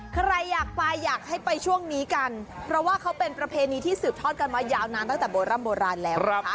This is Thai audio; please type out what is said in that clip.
ใครอยากไปอยากให้ไปช่วงนี้กันเพราะว่าเขาเป็นประเพณีที่สืบทอดกันมายาวนานตั้งแต่โบร่ำโบราณแล้วนะคะ